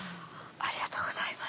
ありがとうございます。